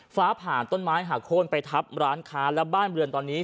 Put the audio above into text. ฟ้าผ่านต้นไม้หาโขลไปทับร้านค้าและบ้านเบือตอนนี้เสียหายจากการถูกนำท่วมจมไปหลายหลัง